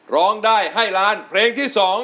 ร้องได้ให้ล้านเพลงที่๒